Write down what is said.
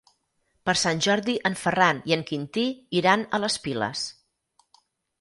Per Sant Jordi en Ferran i en Quintí iran a les Piles.